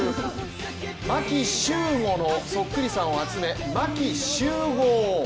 牧秀悟のそっくりさんを集め、牧集合！